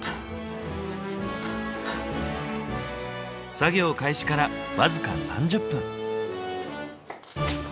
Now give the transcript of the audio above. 作業開始から僅か３０分。